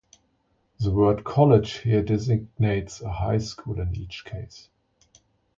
The word "college" here designates a high school in each case.